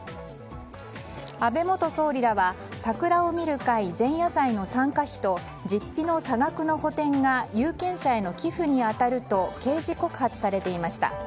安倍元総理らは桜を見る会前夜祭の参加費と実費の差額の補てんが有権者への寄付に当たると刑事告発されていました。